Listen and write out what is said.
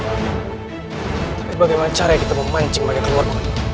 tapi bagaimana cara kita memancing mereka keluar